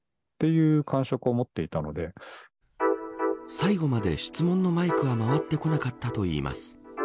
最後まで質問のマイクは回ってこなかったといいます。